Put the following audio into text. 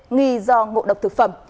nghi do ngộ độc thực phẩm